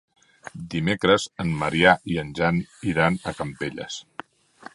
Dimecres en Maria i en Jan iran a Campelles.